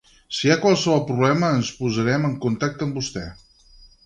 Si hi ha qualsevol problema ens posarem en contacte amb vostè.